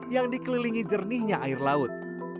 yang dikelilingi jernihnya air laut